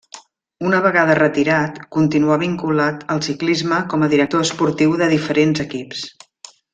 Una vegada retirat continuà vinculat al ciclisme com a director esportiu de diferents equips.